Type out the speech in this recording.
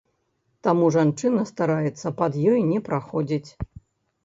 Таму жанчына стараецца пад ёй не праходзіць.